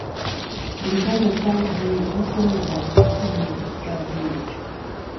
Ngan nisawudi vakana nizeŋga ɗegaï tivé ɗi.